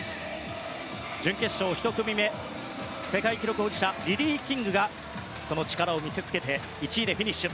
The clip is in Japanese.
準決勝１組目世界記録保持者のリリー・キングがその力を見せつけて１位でフィニッシュ。